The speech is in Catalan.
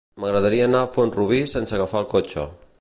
M'agradaria anar a Font-rubí sense agafar el cotxe.